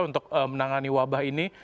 untuk menangani wabah ini